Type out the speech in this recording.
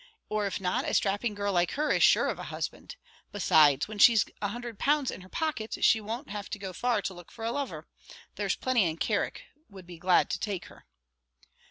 or if not, a strapping girl like her is sure of a husband. Besides, when she's a hundred pounds in her pocket, she won't have to go far to look for a lover. There's plenty in Carrick would be glad to take her."